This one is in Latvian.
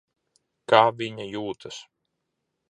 Kā viņa jūtas?